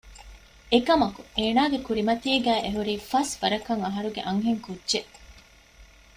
އެކަމަކު އޭނާގެ ކުރިމަތީ އެހުރީ ފަސްވަރަކަށް އަހަރުގެ އަންހެންކުއްޖެއް